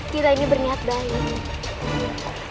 kita ini berniat baik